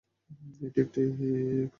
এটি একটি ক্রেওল ভাষা।